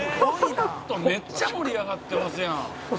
「ちょっとめっちゃ盛り上がってますやん」